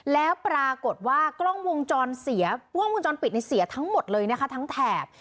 แล้วปรากฏว่ากล้องวงจรเสียกล้องวงจรปิดในเสียทั้งหมดเลยนะคะทั้งแถบ